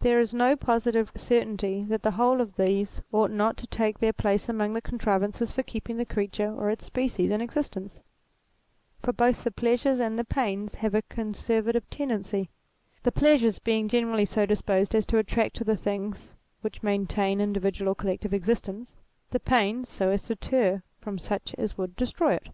There is no positive certainty that the whole of these ought not to take their place among the contrivances for keeping the creature or its species in existence ; for both the pleasures and the pains have a conservative tendency ; the pleasures being generally so disposed as to attract to the things which maintain individual or collective existence, the pains so as to deter from such as would destroy it.